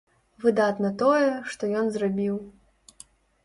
Выдатна тое, што ён зрабіў.